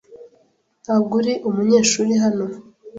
Ntabwo uri umunyeshuri hano.